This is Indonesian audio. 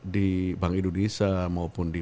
di bank indonesia maupun di